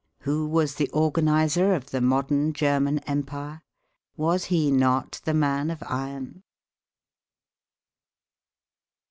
Who was the organizer of the modern German empire? Was he not the man of iron?